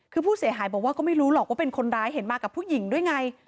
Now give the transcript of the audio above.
คือผู้เสียหายบอกว่าก็ไม่รู้หรอกว่าเป็นคนร้ายเห็นมากับผู้หญิงด้วยไง